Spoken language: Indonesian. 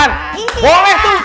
boleh tuh biar saya gak pusing